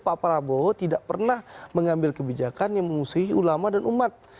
pak prabowo tidak pernah mengambil kebijakan yang mengusuhi ulama dan umat